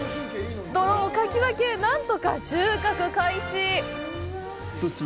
泥をかき分け、なんとか収穫開始！